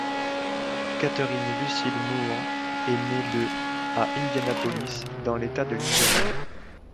Catherine Lucille Moore est née le à Indianapolis, dans l'État de l'Indiana.